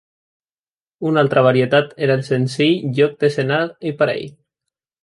Una altre varietat era el senzill joc de senar i parell.